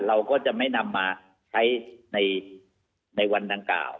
เราก็จะไม่นำมาใช้ในวันดังกล่าว